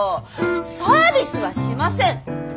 「サービスはしません」？